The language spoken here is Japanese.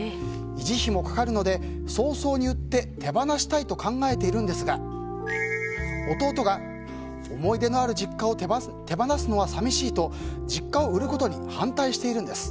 維持費もかかるので早々に売って手放したいと考えているんですが、弟が思い出のある実家を手放すのは寂しいと実家を売ることに反対しているんです。